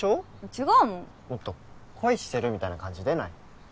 違うもんもっと恋してるみたいな感じ出ない？